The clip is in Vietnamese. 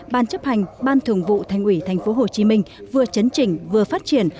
ban chấp hành ban thường vụ thành ủy tp hcm vừa chấn trình vừa phát triển